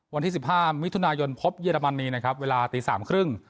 วันที่๑๕มิถุนายนพบเยอรมนีนะครับเวลา๓๓๐น